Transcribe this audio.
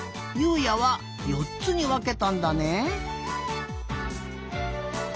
海也は４つにわけたんだね。